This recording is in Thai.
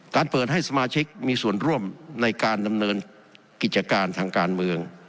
เปิดให้สมาชิกมีส่วนร่วมในการดำเนินกิจการทางการเมือง